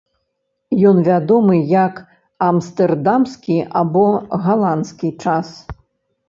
Ён вядомы як амстэрдамскі або галандскі час.